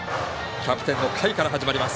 キャプテンの甲斐から始まります。